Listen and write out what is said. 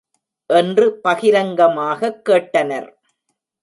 என்று பகிரங்கமாகக் கேட்டனர்!